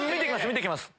見てきます。